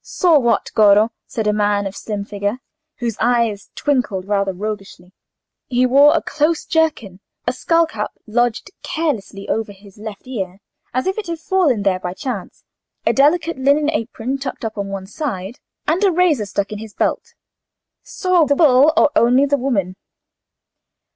"Saw what, Goro?" said a man of slim figure, whose eye twinkled rather roguishly. He wore a close jerkin, a skull cap lodged carelessly over his left ear as if it had fallen there by chance, a delicate linen apron tucked up on one side, and a razor stuck in his belt. "Saw the bull, or only the woman?"